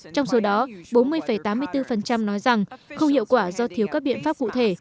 trong số đó bốn mươi tám mươi bốn nói rằng không hiệu quả do thiếu các biện pháp cụ thể